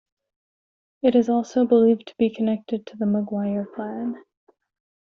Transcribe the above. It is also believed to be connected to the Maguire clan.